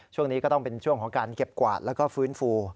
ช่วงนี้ก็ต้องเป็นช่วงของการเก็บกวาดแล้วก็ฟื้นฟู